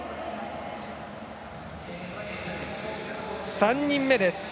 ３人目です。